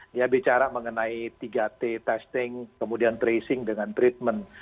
dia bicara mengenai tiga t testing kemudian tracing dengan treatment